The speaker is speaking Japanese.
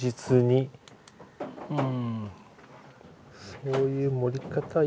そういう盛り方いいか。